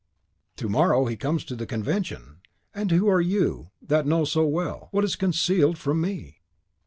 "To morrow he comes to the Convention! And who are you that know so well what is concealed from me?"